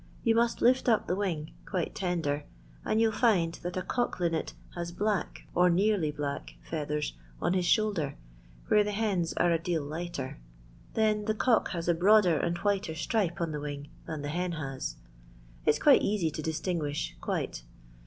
You must lift up the wing, quite tender, and you '11 find that a cock linnet has black, or nearly black, feathers on his shoulder, where the hens are a deal lighter. Then the cock has a broader and whiter stripe on the wiog than the hen has. It 'i quite easy to distinguish, quite.